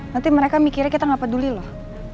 nanti mereka mikirnya kita nggak peduli loh